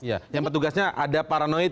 ya yang petugasnya ada paranoid